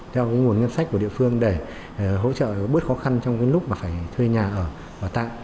theo cái nguồn ngân sách của địa phương để hỗ trợ bớt khó khăn trong cái lúc mà phải thuê nhà ở và tạm